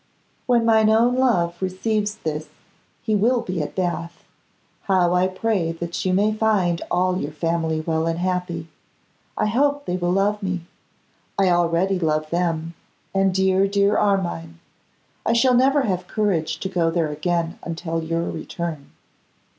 When mine own love receives this he will be at Bath. How I pray that you may find all your family well and happy! I hope they will love me. I already love them, and dear, dear Armine. I shall never have courage to go there again until your return.